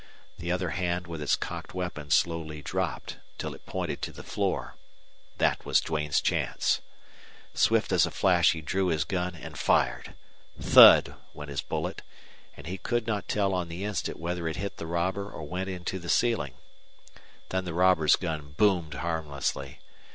The other hand with its cocked weapon slowly dropped till it pointed to the floor. That was Duane's chance. Swift as a flash he drew his gun and fired. Thud! went his bullet, and he could not tell on the instant whether it hit the robber or went into the ceiling. Then the robber's gun boomed harmlessly.